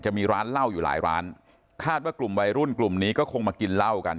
มีร้านเหล้าอยู่หลายร้านคาดว่ากลุ่มวัยรุ่นกลุ่มนี้ก็คงมากินเหล้ากัน